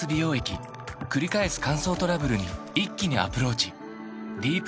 くり返す乾燥トラブルに一気にアプローチ